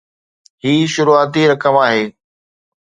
هي شروعاتي رقم آهي.